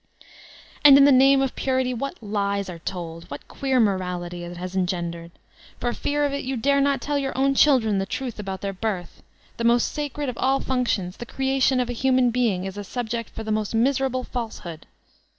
And in the name of Purity what lies are told! What queer morality it has engendered. For fear of it ]rou dare not tell your own children the truth about their birth ; the most sacred of all functions, the creation of a human being, is a subject for the most miserable false hood.